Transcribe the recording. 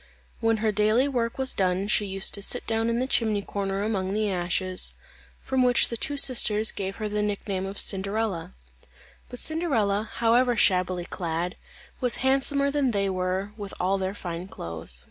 When her daily work was done she used to sit down in the chimney corner among the ashes; from which the two sisters gave her the nick name of Cinderella. But Cinderella, however shabbily clad, was handsomer than they were with all their fine clothes.